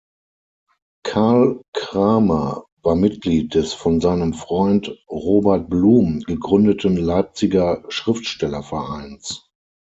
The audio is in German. Carl Cramer war Mitglied des von seinem Freund Robert Blum gegründeten Leipziger Schriftstellervereins.